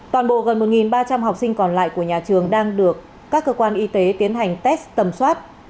toàn bộ gần một ba trăm linh học sinh còn lại của nhà trường đang được các cơ quan y tế tiến hành test tầm soát